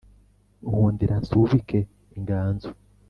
Nkundira nsubike inganzo